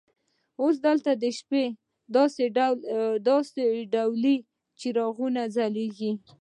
اوس دلته د شپې داسې ډولي څراغونه ځلیږي.